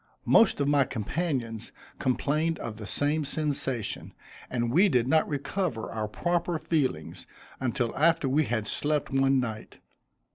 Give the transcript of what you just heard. Most of my companions complained of the same sensation, and we did not recover our proper feelings until after we had slept one night.